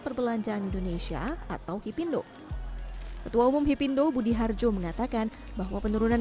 perbelanjaan indonesia atau hipindo ketua umum hipindo budi harjo mengatakan bahwa penurunan